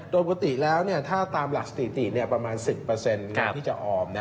โดยปกติแล้วถ้าตามหลักสถิติประมาณ๑๐ที่จะออม